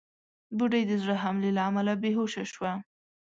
بوډۍ د زړه حملې له امله بېهوشه شوه.